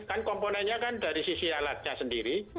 kan komponennya kan dari sisi alatnya sendiri